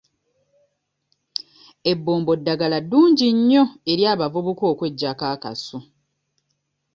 Ebbombo ddagala ddungi nnyo eri abavubuka okweggyako akasu.